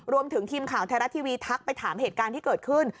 รวมถึงทีมข่าวไทยรัฐทีวีทักไปถามเหตุการณ์ที่เกิดขึ้น